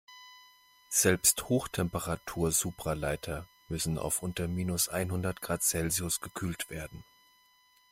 Selbst Hochtemperatur-Supraleiter müssen auf unter minus einhundert Grad Celsius gekühlt werden.